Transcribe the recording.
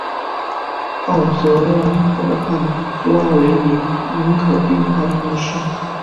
奥泽兰河畔弗拉维尼人口变化图示